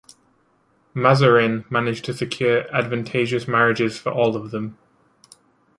Mazarin managed to secure advantageous marriages for all of them.